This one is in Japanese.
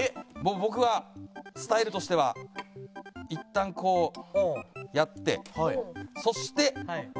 僕はスタイルとしてはいったんこうやってそしてここにのせるっていう。